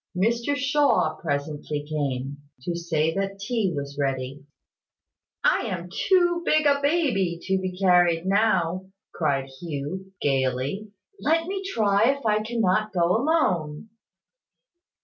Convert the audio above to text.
Mr Shaw presently came, to say that tea was ready. "I am too big a baby to be carried now," cried Hugh, gaily. "Let me try if I cannot go alone."